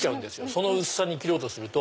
その薄さに切ろうとすると。